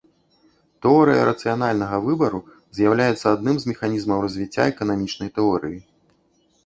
Тэорыя рацыянальнага выбару з'яўляецца адным з механізмаў развіцця эканамічнай тэорыі.